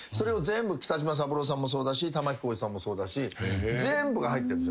北島三郎さんもそうだし玉置浩二さんもそうだし全部が入ってるんです。